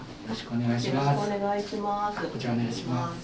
よろしくお願いします。